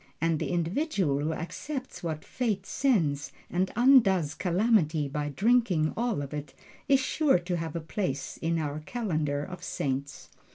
And the individual who accepts what Fate sends, and undoes Calamity by drinking all of it, is sure to have a place in our calendar of saints.